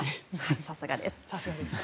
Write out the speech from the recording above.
さすがです。